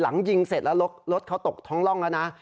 หลังยิงเสร็จแล้วรถเขาตกท้องร่องแล้วนะ